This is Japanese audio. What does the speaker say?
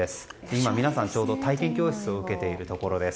今、皆さんちょうど体験教室を受けているところです。